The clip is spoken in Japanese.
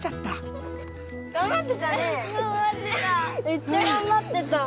めっちゃがんばってた！